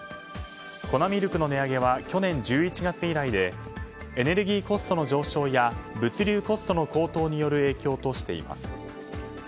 粉ミルクの値上げは去年１１月以来でエネルギーコストの上昇や物流コストの高騰による影響としています。